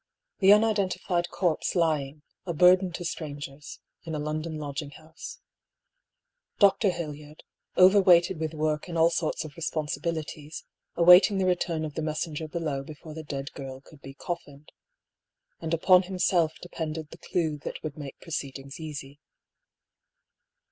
The unidentified corpse lying, a burden to strangers, in a London lodging house. Dr. Hildyard, overweighted with work and all sorts of responsibilities, awaiting the return of the messenger below before the dead girl could be coffined. And upon himself depended the clue that would make proceedings easy.